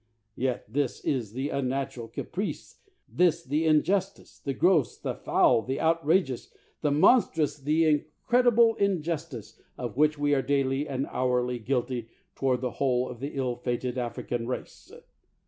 Yet this is the unnatural ca price, this the injustice, the gross, the foul, the outrageous, the monstrous, the incredible injust ice BROUGHAM ice of which we are daily and hourly guilty to ward the whole of the ill fated African race.